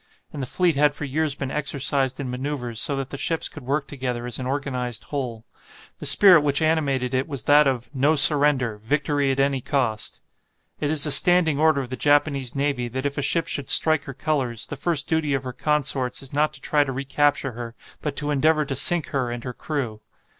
And the fleet had for years been exercised in manoeuvres, so that the ships could work together as an organized whole. The spirit which animated it was that of "No surrender Victory at any cost." It is a standing order of the Japanese navy that if a ship should strike her colours, the first duty of her consorts is not to try to recapture her, but to endeavour to sink her and her crew.